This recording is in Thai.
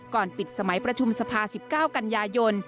ก่อนปิดสมัยประชุมสภา๑๙กันยายน